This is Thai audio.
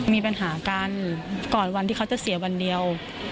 มีปัญหากันก่อนวันที่เขาจะเสียวันเดียว